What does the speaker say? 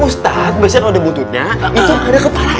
ustadz biasanya kalau ada buntutnya itu ada kepalanya